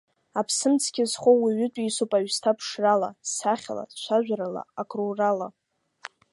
Аԥсымцқьа зхоу уаҩытәыҩсоуп аҩсҭаа ԥшрала, сахьала, цәажәарала, акрурала.